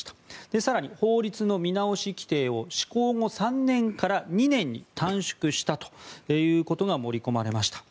更に法律の見直し規定を施行後３年から２年に短縮したということが盛り込まれました。